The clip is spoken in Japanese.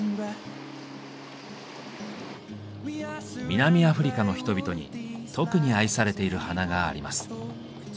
南アフリカの人々に特に愛されている花があります。